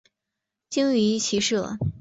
精于骑射。